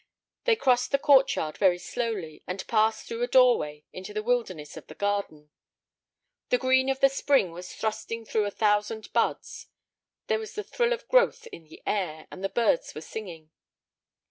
They crossed the court yard very slowly, and passed through a doorway into the wilderness of the garden. The green of the spring was thrusting through a thousand buds; there was the thrill of growth in the air, and the birds were singing.